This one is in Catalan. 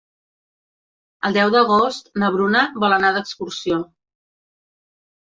El deu d'agost na Bruna vol anar d'excursió.